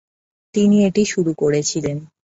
তিনি এটি শুরু করেছিলেন।